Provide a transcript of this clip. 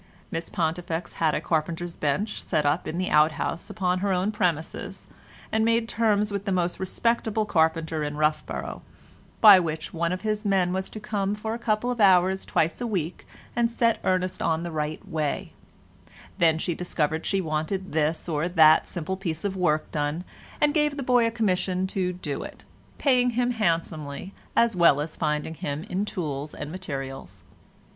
Miss Pontifex had a carpenter's bench set up in an outhouse upon her own premises, and made terms with the most respectable carpenter in Roughborough, by which one of his men was to come for a couple of hours twice a week and set Ernest on the right way; then she discovered she wanted this or that simple piece of work done, and gave the boy a commission to do it, paying him handsomely as well as finding him in tools and materials.